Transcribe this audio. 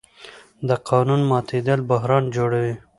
د قانون ماتېدل بحران جوړوي